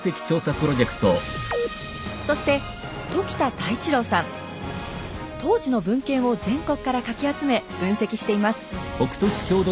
そして当時の文献を全国からかき集め分析しています。